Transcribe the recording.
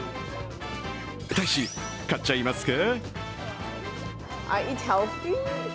大使、買っちゃいますか？